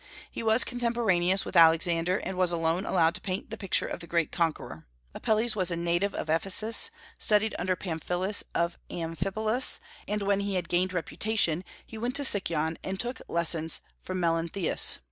He was contemporaneous with Alexander, and was alone allowed to paint the picture of the great conqueror. Apelles was a native of Ephesus, studied under Pamphilus of Amphipolis, and when he had gained reputation he went to Sicyon and took lessons from Melanthius.